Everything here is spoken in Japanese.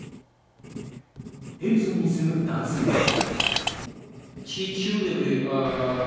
ヘルソンに住む男性は。